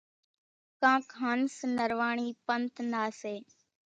ڪانڪ هنس نِرواڻِي پنٿ نا سي۔